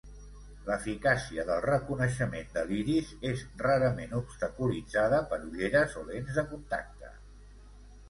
L'eficàcia del reconeixement de l'iris és rarament obstaculitzada per ulleres o lents de contacte.